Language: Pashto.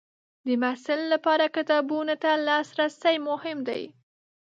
د محصل لپاره کتابونو ته لاسرسی مهم دی.